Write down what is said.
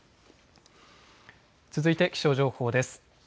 続いて、気象情報です。